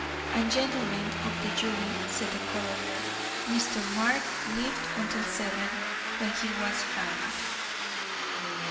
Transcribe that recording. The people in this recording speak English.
"And, gentlemen of the jury," said the coroner, "Mr. Mark lived until seven, when he was found."